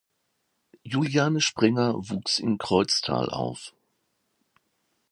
Juliane Sprenger wuchs in Kreuztal auf.